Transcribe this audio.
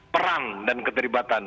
peran dan keterlibatan